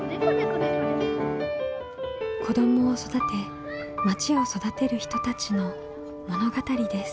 子どもを育てまちを育てる人たちの物語です。